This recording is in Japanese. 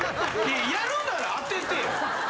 やるなら当ててよ。